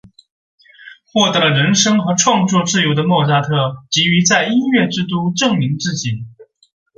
获得了人生和创作自由的莫扎特急于在音乐之都证明自己。